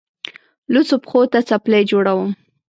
لوڅو پښو ته څپلۍ جوړوم.